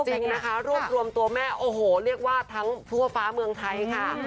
จริงนะคะรวบรวมตัวแม่โอ้โหเรียกว่าทั้งทั่วฟ้าเมืองไทยค่ะ